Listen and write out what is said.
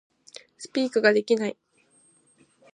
Speak ができない